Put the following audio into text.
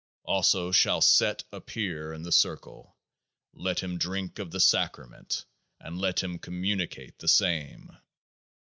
Also shall Set appear in the Circle. Let him drink of the Sacrament and let him communicate the same.